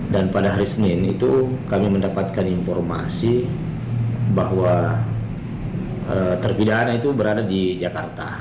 dan pada hari senin itu kami mendapatkan informasi bahwa terpidaannya itu berada di jakarta